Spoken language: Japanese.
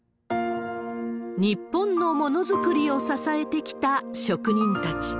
日本のものづくりを支えてきた職人たち。